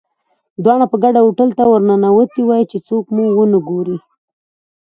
دواړه په ګډه هوټل ته ورننوتي وای، چې څوک مو ونه ګوري.